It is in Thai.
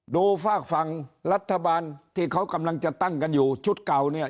ฝากฝั่งรัฐบาลที่เขากำลังจะตั้งกันอยู่ชุดเก่าเนี่ย